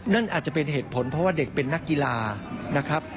นั่นอาจจะเป็นเหตุผลเพราะว่าเด็กเป็นนักกีฬานะครับ